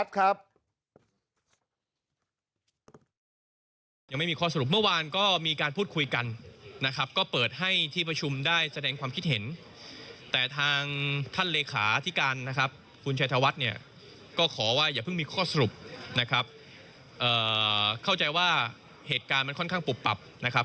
แคดดิเดตจากพลังประชารัฐครับ